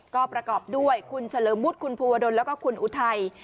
ก็ประกอบด้วยคุณเฉลิมวุฒิคุณภูวดลแล้วก็คุณอุทัย